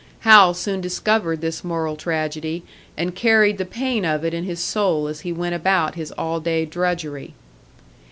Hal soon discovered this moral tragedy, and carried the pain of it in his soul as he went about his all day drudgery.